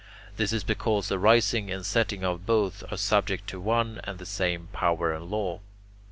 This is because the rising and setting of both are subject to one and the same power and law.